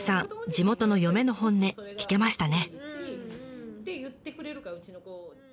地元の嫁の本音聞けましたね。